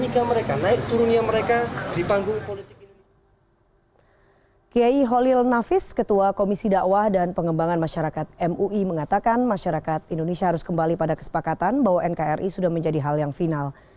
kiai holil nafis ketua komisi ⁇ dawah dan pengembangan masyarakat mui mengatakan masyarakat indonesia harus kembali pada kesepakatan bahwa nkri sudah menjadi hal yang final